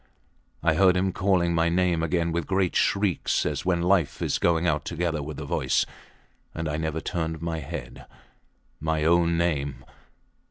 I heard him calling my name again with a great shriek, as when life is going out together with the voice and I never turned my head. My own name!